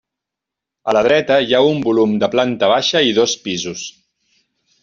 A la dreta hi ha un volum de planta baixa i dos pisos.